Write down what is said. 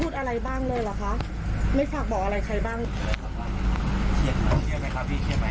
เดี๋ยวก่อนนะเรียกเรื่อยว่า